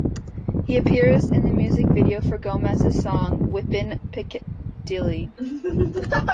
He appears in the music video for Gomez's song "Whippin' Picadilly".